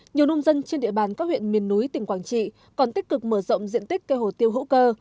nhiều nông dân trên địa bàn các huyện miền núi tỉnh quảng trị còn tích cực mở rộng diện tích cây hồ tiêu hữu cơ